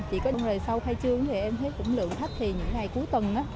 chỉ có lần sau khai trương thì em thấy cũng lượng khách thì những ngày cuối tuần á